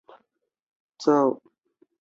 我试着了解凯恩和芬格在追求什么。